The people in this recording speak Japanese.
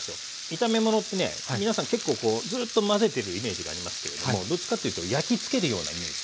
炒め物ってね皆さん結構こうずっと混ぜてるイメージがありますけれどもどっちかというと焼きつけるようなイメージ。